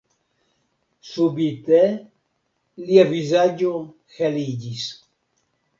Subite lia vizaĝo heliĝis.